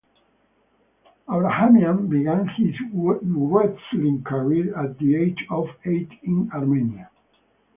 Abrahamian began his wrestling career at the age of eight in Armenia.